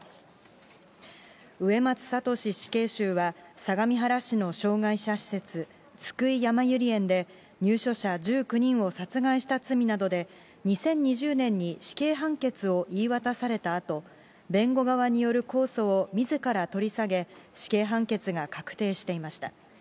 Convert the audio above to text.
植松聖死刑囚は、相模原市の障がい者施設、津久井やまゆり園で、入所者１９人を殺害した罪などで、２０２０年に死刑判決を言い渡されたあと、弁護側による控訴をみずから取り下げ、死刑判決が確定していました。